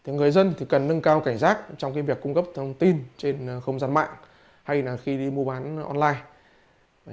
người dân cần nâng cao cảnh giác trong việc cung cấp thông tin trên không gian mạng hay khi đi mua bán online